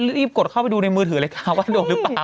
รีบกดเข้าไปดูในมือถือเลยค่ะว่าโดนหรือเปล่า